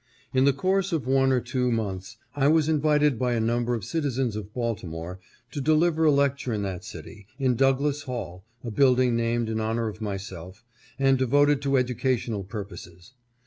In the course of one or two months I was invited by a number of citizens of Baltimore to deliver a lecture in that city, in Douglass Hall — a building named in honor of myself, and devoted to educational purposes.